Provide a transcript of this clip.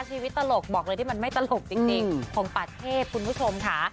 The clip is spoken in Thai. ตลกบอกเลยที่มันไม่ตลกจริงของป่าเทพคุณผู้ชมค่ะ